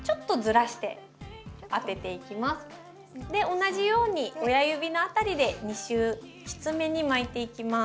同じように親指の辺りで２周きつめに巻いていきます。